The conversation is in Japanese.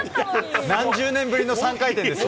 何十年ぶりの３回転ですよ。